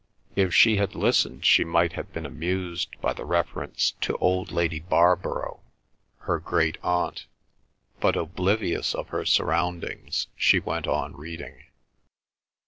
If she had listened, she might have been amused by the reference to old Lady Barborough, her great aunt, but, oblivious of her surroundings, she went on reading.